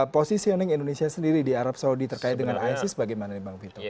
positioning indonesia sendiri di arab saudi terkait dengan isis bagaimana bang vito